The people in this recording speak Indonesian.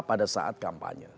pada saat kampanye